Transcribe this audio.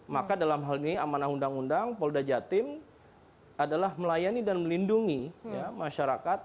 maka dalam hal ini amanah undang undang polda jatim adalah melayani dan melindungi masyarakat